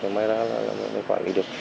thì mới ra là quản lý được